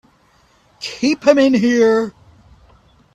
Keep him in here!